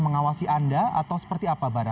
mengawasi anda atau seperti apa bara